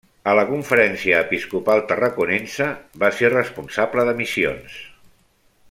A la Conferència Episcopal Tarraconense va ser responsable de Missions.